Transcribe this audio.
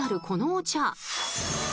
このお茶。